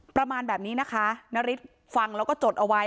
ประมาณแบบนี้นะคะนาริสฟังแล้วก็จดเอาไว้